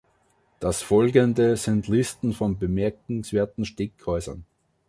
Das Folgende sind Listen von bemerkenswerten Steakhäusern.